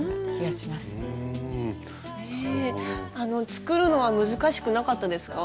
作るのは難しくなかったですか？